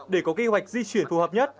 để có kế hoạch di chuyển phù hợp nhất